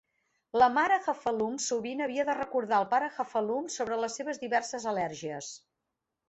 La mare Heffalump sovint havia de recordar al pare Heffalump sobre les seves diverses al·lèrgies.